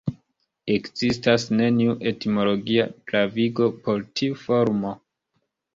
Ekzistas neniu etimologia pravigo por tiu formo.